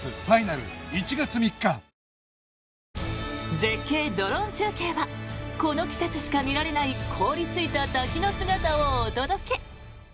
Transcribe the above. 絶景ドローン中継はこの季節しか見られない凍りついた滝の姿をお届け。